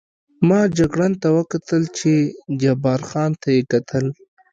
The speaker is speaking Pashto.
ما جګړن ته وکتل، چې جبار خان ته یې کتل.